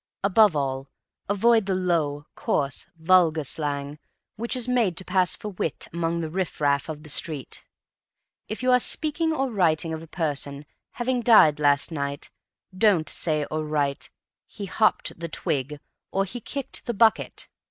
Above all, avoid the low, coarse, vulgar slang, which is made to pass for wit among the riff raff of the street. If you are speaking or writing of a person having died last night don't say or write: "He hopped the twig," or "he kicked the bucket."